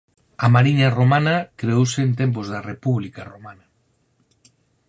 A mariña romana creouse en tempos da República Romana.